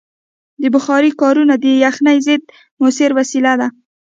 د بخارۍ کارونه د یخنۍ ضد مؤثره وسیله ده.